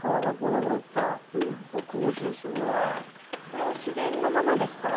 これは自然のままですか？